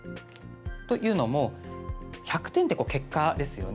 というのも１００点って結果ですよね。